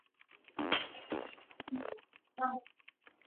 kutetea mafundisho yao ili kuvuta watu Ndiyo sababu Luther alichorwa